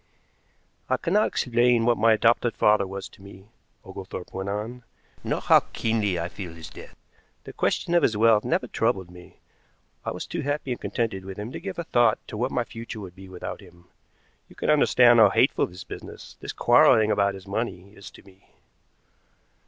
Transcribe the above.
"I cannot explain what my adopted father was to me," Oglethorpe went on, "nor how keenly I feel his death. The question of his wealth never troubled me. I was too happy and contented with him to give a thought to what my future would be without him. You can understand how hateful this business, this quarreling about his money, is to me."